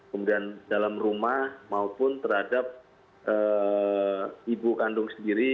kemudian dalam rumah maupun terhadap ibu kandung sendiri